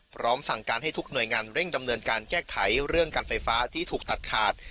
พร้อมสั่งการให้ทุกหน่วยงานเร่งดำเนินการแก้ไขเรื่องการไฟฟ้าที่ถูกตัดขาด